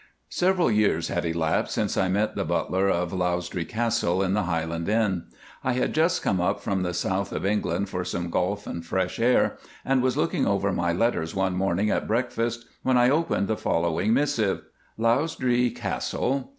Several years had elapsed since I met the butler of Lausdree Castle in the Highland Inn. I had just come up from the south of England for some golf and fresh air, and was looking over my letters one morning at breakfast when I opened the following missive:— Lausdree Castle